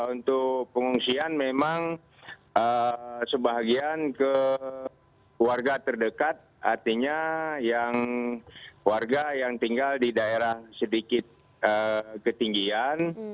untuk pengungsian memang sebagian ke warga terdekat artinya warga yang tinggal di daerah sedikit ketinggian